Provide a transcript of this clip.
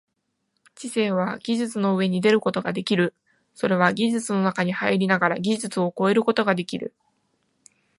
知性は技術の上に出ることができる、それは技術の中に入りながら技術を超えることができる。